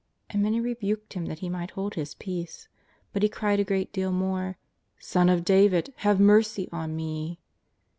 And many rebuked him that he might hold his peace, but he cried a great deal more ;'' Son of David, have mercy on me